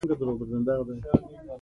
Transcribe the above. توره ډبره سپینې رڼا ونیوله.